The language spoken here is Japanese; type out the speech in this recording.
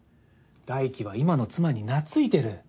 大樹は今の妻に懐いてる。